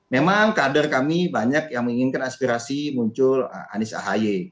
memang kader kami banyak yang menginginkan aspirasi muncul anies ahy